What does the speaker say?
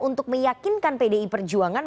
untuk meyakinkan pdi perjuangan